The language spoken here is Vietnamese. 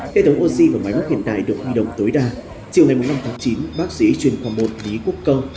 kế thống oxy và máy bút hiện đại được huy động tối đa chiều ngày năm chín bác sĩ chuyên khoa một lý quốc công